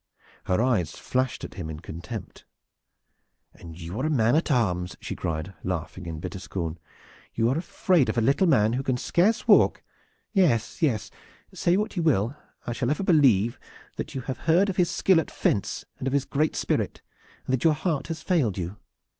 Her eyes flashed at him in contempt. "And you are a man at arms!" she cried, laughing in bitter scorn. "You are afraid of a little man who can scarce walk. Yes, yes, say what you will, I shall ever believe that you have heard of his skill at fence and of his great spirit, and that your heart has failed you!